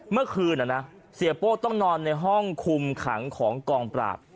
เมื่อคืนเสียโป้ต้องนอนในห้องคุมขังของกองปราบ